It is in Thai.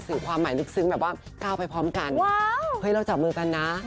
ความหมายลึกซึ้งแบบว่าก้าวไปพร้อมกันเฮ้ยเราจับมือกันนะ